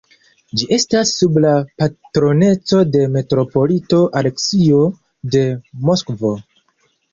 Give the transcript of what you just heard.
Ĝi estas sub la patroneco de metropolito Aleksio de Moskvo.